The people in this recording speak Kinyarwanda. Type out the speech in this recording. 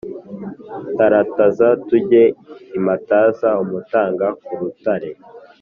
Tarataza tujye i Mataza-Umutanga ku rutare.